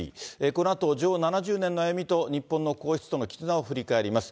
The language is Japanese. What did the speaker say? このあと女王７０年の歩みと、日本の皇室との絆を振り返ります。